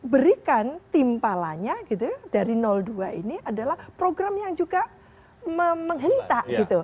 berikan timpalanya gitu dari dua ini adalah program yang juga menghentak gitu